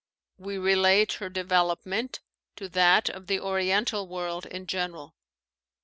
We relate her development to that of the oriental world in general.